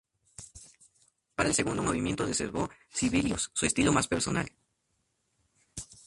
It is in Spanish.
Para el segundo movimiento reservó Sibelius su estilo más personal.